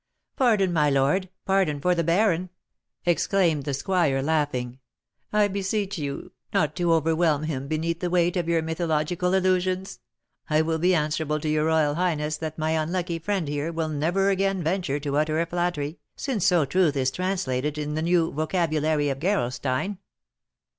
"Pardon, my lord! pardon, for the baron," exclaimed the squire, laughing. "I beseech you not to overwhelm him beneath the weight of your mythological allusions. I will be answerable to your royal highness that my unlucky friend here will never again venture to utter a flattery, since so truth is translated in the new vocabulary of Gerolstein."